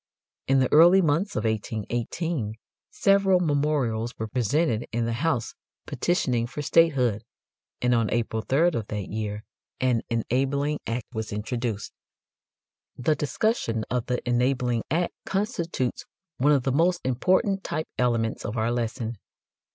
In the early months of 1818 several memorials were presented in the House petitioning for statehood, and on April 3 of that year an enabling act was introduced. The discussion of the enabling act constitutes one of the most important "type elements" of our lesson.